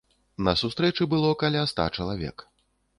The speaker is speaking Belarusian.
На сустрэчы было каля ста чалавек.